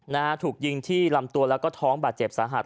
นะฮะถูกยิงที่ลำตัวแล้วก็ท้องบาดเจ็บสาหัส